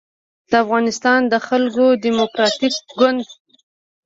د افغانستان د خلق دیموکراتیک ګوند